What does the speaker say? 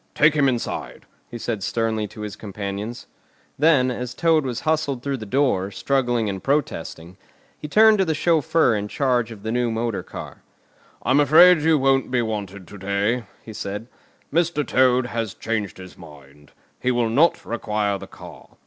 "Take him inside," he said sternly to his companions. Then, as Toad was hustled through the door, struggling and protesting, he turned to the chauffeur in charge of the new motor car. "I'm afraid you won't be wanted to day," he said. "Mr. Toad has changed his mind. He will not require the car.